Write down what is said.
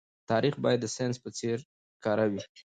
تاريخ بايد د ساينس په څېر کره وي.